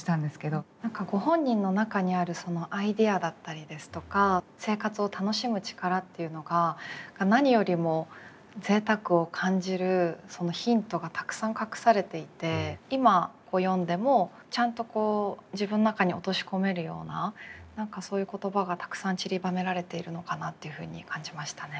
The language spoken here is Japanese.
何かご本人の中にあるそのアイデアだったりですとか生活を楽しむ力っていうのが何よりも贅沢を感じるそのヒントがたくさん隠されていて今読んでもちゃんとこう自分の中に落とし込めるような何かそういう言葉がたくさんちりばめられているのかなというふうに感じましたね。